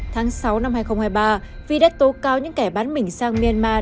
tháng sáu năm hai nghìn hai mươi ba phi đã tố cao những kẻ bán mình sang myanmar